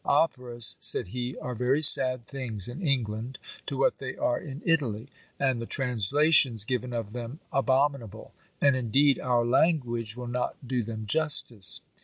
"Operas," said he, "are very sad things in England, to what they are in Italy; and the translations given of them abominable: and indeed, our language will not do them justice.